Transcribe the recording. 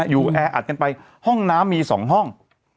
อยู่แออัดกันไปห้องน้ำมีสองห้อง